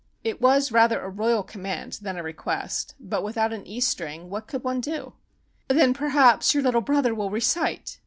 It was rather a royal command than a request, but without an e string what could one do? "Then perhaps your little brother will recite?"